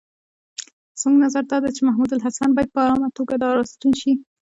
زموږ نظر دا دی چې محمودالحسن باید په آرامه توګه را ستون شي.